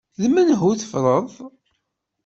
D menhu tfeḍreḍ?